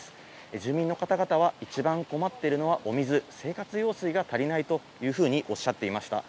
住民の方々は、一番困っているのはお水、生活用水が足りないというふうにおっしゃっていました。